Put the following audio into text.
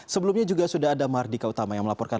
sebelumnya juga sudah ada mardika utama yang melaporkan